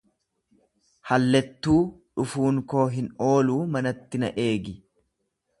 Hallettuu dhufuun koo hin ooluu manatti na eegi.